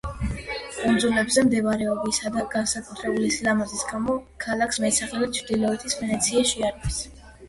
კუნძულებზე მდებარეობისა და განსაკუთრებული სილამაზის გამო, ქალაქს მეტსახელად „ჩრდილოეთის ვენეცია“ შეარქვეს.